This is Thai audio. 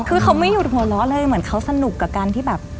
คือเขาไม่หยุดหัวเราะเลยเหมือนเขาสนุกกับการที่แบบ